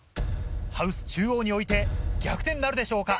ハウス中央に置いて逆転なるでしょうか。